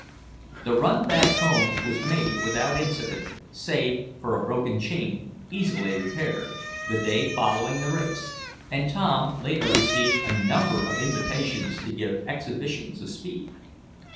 The run back home was made without incident, save for a broken chain, easily repaired, the day following the race, and Tom later received a number of invitations to give exhibitions of speed.